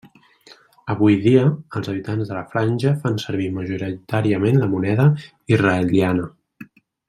Avui dia, els habitants de la Franja fan servir majoritàriament la moneda israeliana.